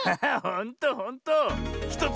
ほんとほんと。